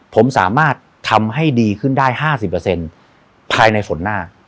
ผมสามารถทำให้ดีขึ้นได้ห้าสิบเปอร์เซ็นต์ภายในฝนหน้า